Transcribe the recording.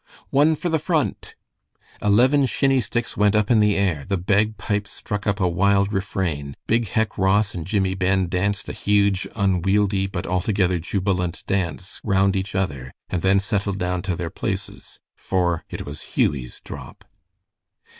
"One for the Front!" Eleven shinny sticks went up in the air, the bagpipes struck up a wild refrain, big Hec Ross and Jimmie Ben danced a huge, unwieldy, but altogether jubilant dance round each other, and then settled down to their places, for it was Hughie's drop.